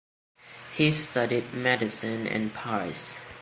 He studied medicine in Paris.